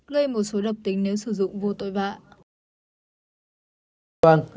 gây một số độc tính nếu sử dụng vô tội vạ